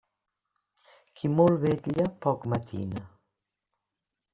Qui molt vetla, poc matina.